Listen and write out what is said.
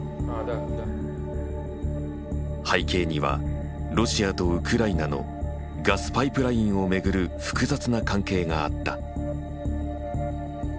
背景にはロシアとウクライナのガスパイプラインを巡る複雑な関係があった。